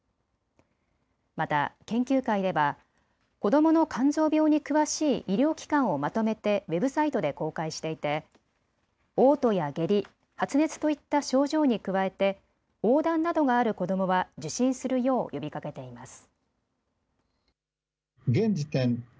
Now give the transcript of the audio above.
また研究会では子どもの肝臓病に詳しい医療機関をまとめてウェブサイトで公開していておう吐や下痢、発熱といった症状に加えておうだんなどがある子どもは受診するよう呼びかけています。